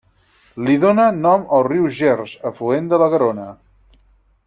Li dóna nom el riu Gers, afluent de la Garona.